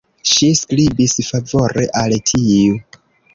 Ŝi skribis favore al tiu.